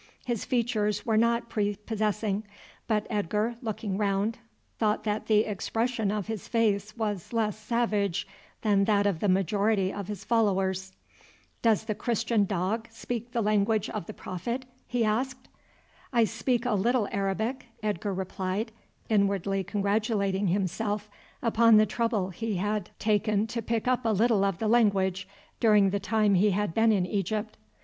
His features were not prepossessing; but Edgar, looking round, thought that the expression of his face was less savage than that of the majority of his followers. "Does the Christian dog speak the language of the Prophet?" he asked. "I speak a little Arabic," Edgar replied, inwardly congratulating himself upon the trouble he had taken to pick up a little of the language during the time he had been in Egypt.